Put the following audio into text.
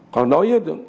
còn đối với